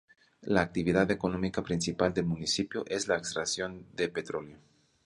La actividad económica principal del municipio es la extracción de petróleo.